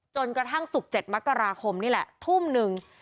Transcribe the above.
กระทั่งศุกร์๗มกราคมนี่แหละทุ่มหนึ่ง